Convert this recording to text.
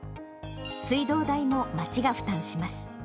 水道代も町が負担します。